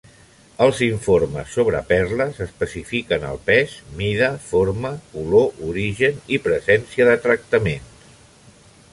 Els informes sobre perles especifiquen el pes, mida, forma, color, origen i presència de tractaments.